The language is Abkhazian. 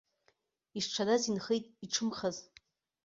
Ишҽадаз инхеит иҽымхаз.